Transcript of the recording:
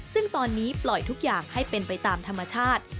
ซึ่งตอนนี้ปล่อยทุกอย่างให้เป็นไปตามธรรมชาติ